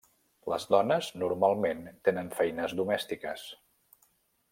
Les dones, normalment tenen feines domèstiques.